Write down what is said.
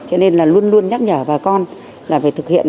cho nên là luôn luôn nhắc nhở bà con là phải thực hiện